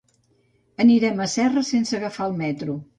Anirem a Serra sense agafar el metro.